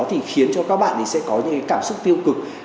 thì khiến cho các bạn sẽ có những cái cảm xúc tiêu cực